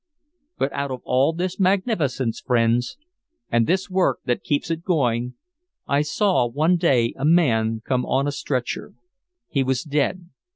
"But out of all this magnificence, friends, and this work that keeps it going I saw one day a man come on a stretcher. He was dead.